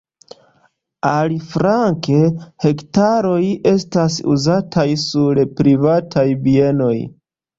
Aliflanke hektaroj estas uzataj sur privataj bienoj.